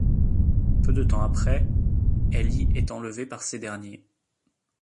Peu de temps après, Ellie est enlevée par ces derniers.